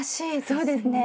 そうですね。